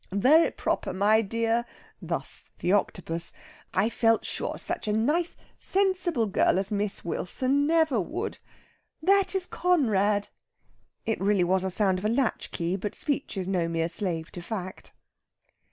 "Very proper, my dear." Thus the Octopus. "I felt sure such a nice, sensible girl as Miss Wilson never would. That is Conrad." It really was a sound of a latch key, but speech is no mere slave to fact.